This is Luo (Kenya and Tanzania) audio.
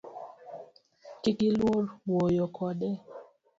Kik iluor wuoyo kode